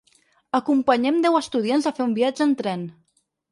Acompanyem deu estudiants a fer un viatge en tren.